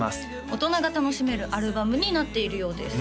大人が楽しめるアルバムになっているようです